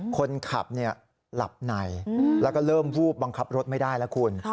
คนขับหลับในแล้วก็เริ่มวูบบังคับรถไม่ได้แล้วคุณ